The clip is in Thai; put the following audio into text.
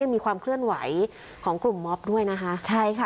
มีความเคลื่อนไหวของกลุ่มมอบด้วยนะคะใช่ค่ะ